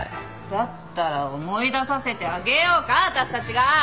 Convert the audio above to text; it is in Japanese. だったら思い出させてあげようか私たちが！